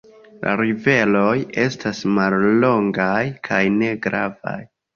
La riveroj estas mallongaj kaj ne gravaj.